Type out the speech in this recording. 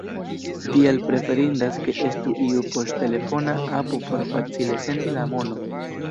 Tial preferindas ke estu iu poŝtelefona apo por facile sendi la monon.